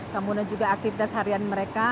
kemudian juga aktivitas harian mereka